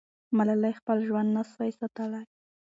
ملالۍ خپل ژوند نه سوای ساتلی.